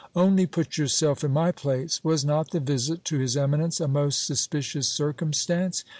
Only put yourself in my place : was not the visit to his eminence a most suspicious circumstance